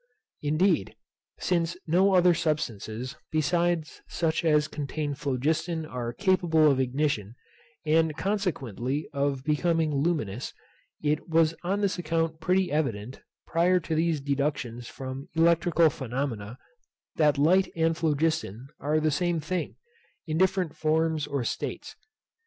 Indeed, since no other substances besides such as contain phlogiston are capable of ignition, and consequently of becoming luminous, it was on this account pretty evident, prior to these deductions from electrical phenomena, that light and phlogiston are the same thing, in different forms or states.